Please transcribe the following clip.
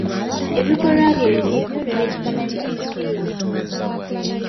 Ebikolwa bye ebibi byonoona ekifaananyi ky'ensi yaffe.